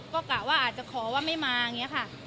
ก็กะว่าอาจจะขอว่าไม่มาอย่างนี้ค่ะ